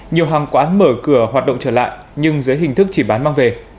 nhiều hàng quán mở cửa hoạt động trở lại nhưng dưới hình thức chỉ bán mang về